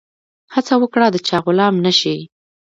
هڅه وکړه د چا غلام نه سي.